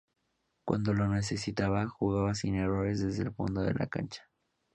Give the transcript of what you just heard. Cuando lo necesitaba, jugaba sin errores desde el fondo de la cancha.